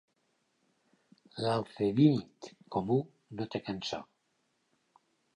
L'alcedínid comú no té cançó.